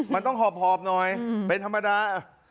มันต้องหอบหน่อยเป็นธรรมดา